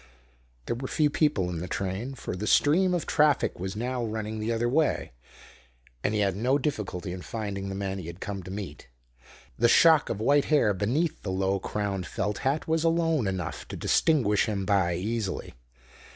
There were few people in the train, for the stream of traffic was now running the other way, and he had no difficulty in finding the man he had come to meet. The shock of white hair beneath the low crowned felt hat was alone enough to distinguish him by easily.